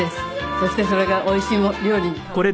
そしてそれがおいしい料理に変わるから。